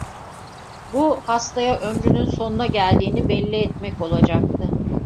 Bu, hastaya ömrünün sonuna geldiğini belli etmek olacaktı.